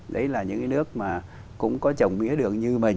đấy là những nước mà cũng có chồng mía đường như mình